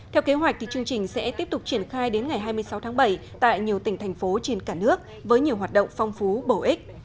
theo kế hoạch chương trình sẽ tiếp tục triển khai đến ngày hai mươi sáu tháng bảy tại nhiều tỉnh thành phố trên cả nước với nhiều hoạt động phong phú bổ ích